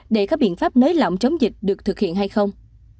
để các biện pháp nới lỏng chống dịch được thực hiện hay không